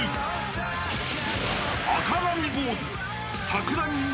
［赤髪坊主］